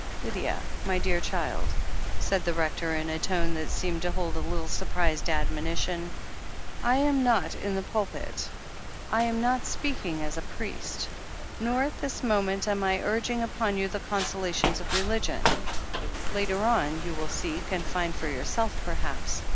"Lydia, my dear child," said the Rector, in a tone that seemed to hold a' little surprised admonition. "I am not in the pulpit. I am not speaking as a priest, nor at this moment am I urging upon you the consola tions of religion. Later on, you will seek and find for yourself, perhaps.